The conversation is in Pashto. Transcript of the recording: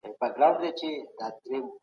د عثماني امپراتورۍ سره اړیکي څنګه ټینګې سوې؟